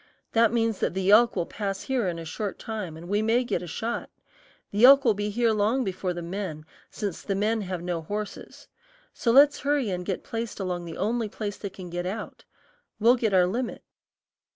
That means that the elk will pass here in a short time and we may get a shot. The elk will be here long before the men, since the men have no horses; so let's hurry and get placed along the only place they can get out. We'll get our limit."